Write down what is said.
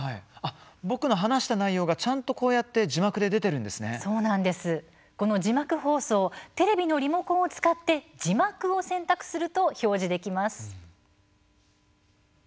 僕の話した内容がこの字幕放送テレビのリモコンを使って字幕を選択すると表示できます。